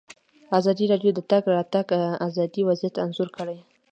ازادي راډیو د د تګ راتګ ازادي وضعیت انځور کړی.